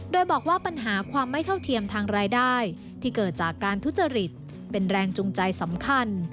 โดยบอกว่าปัญหาความไม่เท่าเทียมทางรายได้ที่เกิดจากการทุจริตเป็นแรงจูงใจสำคัญ